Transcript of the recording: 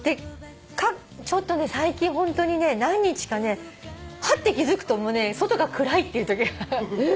ちょっとね最近ホントにね何日かねはって気付くともうね外が暗いっていうときが。え！？